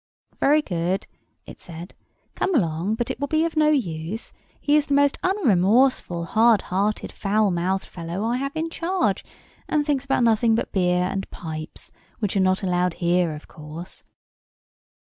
"Very good," it said. "Come along: but it will be of no use. He is the most unremorseful, hard hearted, foul mouthed fellow I have in charge; and thinks about nothing but beer and pipes, which are not allowed here, of course."